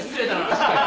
確かに。